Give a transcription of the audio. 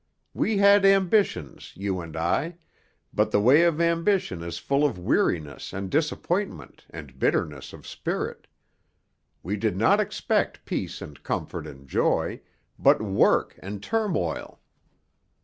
We had ambitions, you and I, but the way of ambition is full of weariness and disappointment and bitterness of spirit. We did not expect peace and comfort and joy, but work and turmoil.